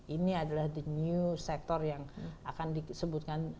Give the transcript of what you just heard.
ini adalah sektor baru yang akan disebutkan